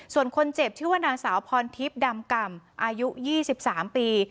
ส่วนคนเจ็บชื่อว่านางสาวพรทิพย์ดำก่ำอายุ๒๓ปี